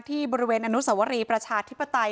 ที่บริเวณอนุสวรีประชาธิปไตย